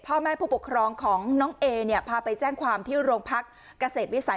พ่อแม่ผู้ปกครองของน้องเอเนี่ยพาไปแจ้งความที่โรงพักเกษตรวิสัย